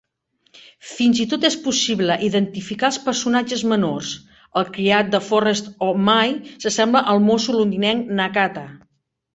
Fins i tot és possible identificar els personatges menors; el criat de Forrest Oh My s'assembla al mosso londinenc Nakata.